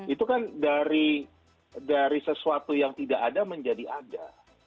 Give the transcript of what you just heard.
itu kan dari sesuatu yang tidak ada menjadi ada